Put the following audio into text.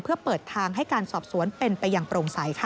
เพื่อเปิดทางให้การสอบสวนเป็นไปอย่างโปร่งใสค่ะ